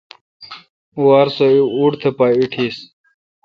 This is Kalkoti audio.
او وار سو ووٹ تھ پا ایٹیس۔